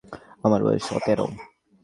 আমার বয়স সতেরো।